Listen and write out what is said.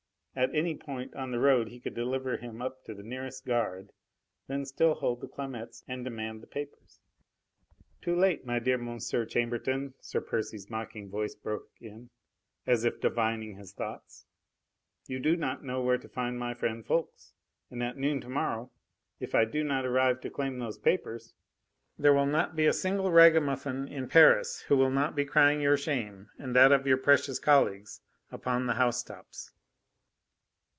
At any point on the road he could deliver him up to the nearest guard ... then still hold the Clamettes and demand the papers.... "Too late, my dear Monsieur Chambertin!" Sir Percy's mocking voice broke in, as if divining his thoughts. "You do not know where to find my friend Ffoulkes, and at noon to morrow, if I do not arrive to claim those papers, there will not be a single ragamuffin in Paris who will not be crying your shame and that of your precious colleagues upon the housetops."